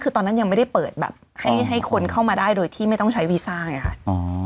คือตอนนั้นยังไม่ได้เปิดแบบให้คนเข้ามาได้โดยที่ไม่ต้องใช้วีซ่าไงค่ะ